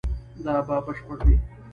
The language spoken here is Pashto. دا به بشپړ وي